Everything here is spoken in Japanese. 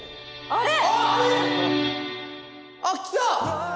あれ？